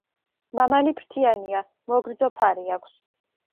მამალი ფრთიანია, მოგრძო ფარი აქვს.